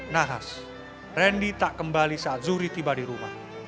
nahas rendy tak kembali saat zuri tiba di rumah